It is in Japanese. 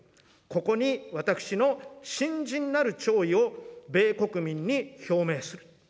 ここに私の深甚なる弔意を米国民に表明する。